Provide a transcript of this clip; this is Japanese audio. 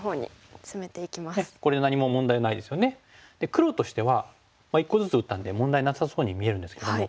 黒としては１個ずつ打ったんで問題なさそうに見えるんですけども。